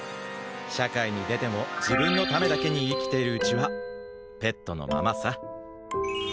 社会に出ても自分のためだけに生きているうちは格好いい。